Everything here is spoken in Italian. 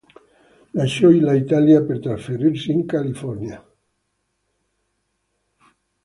Lasciò l'Italia per trasferirsi in California.